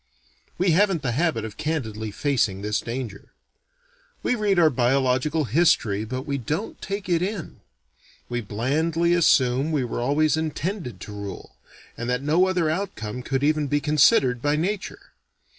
We haven't the habit of candidly facing this danger. We read our biological history but we don't take it in. We blandly assume we were always "intended" to rule, and that no other outcome could even be considered by Nature.